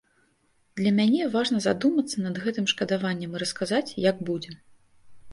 Для мяне важна задумацца над гэтым шкадаваннем і расказаць, як будзе.